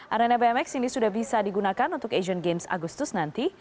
arena bmx ini sudah bisa digunakan untuk asian games agustus nanti